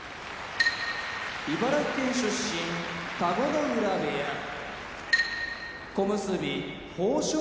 茨城県出身田子ノ浦部屋小結豊昇